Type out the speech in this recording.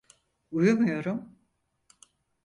Uyumuyorum.